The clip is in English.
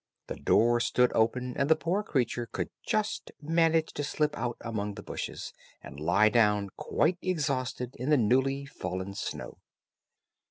The door stood open; the poor creature could just manage to slip out among the bushes, and lie down quite exhausted in the newly fallen snow.